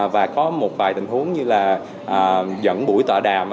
và có một vài tình huống như là dẫn buổi tọa đàm